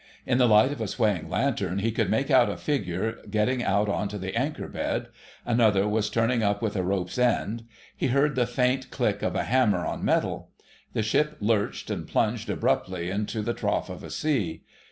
In the light of a swaying lantern he could make out a figure getting out on to the anchor bed; another was turning up with a rope's end; he heard the faint click of a hammer on metal. The ship lurched and plunged abruptly into the trough of a sea.